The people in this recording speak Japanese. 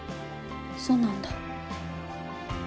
そうなんだ。